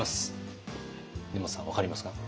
根本さん分かりますか？